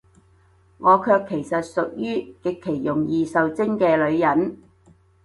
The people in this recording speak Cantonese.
我卻其實屬於，極其容易受精嘅女人